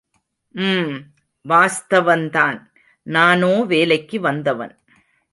ம்... வாஸ்தவந்தான் நானோ வேலைக்கு வந்தவன்.